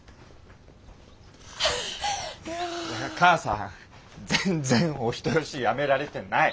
母さん全然お人よしやめられてない。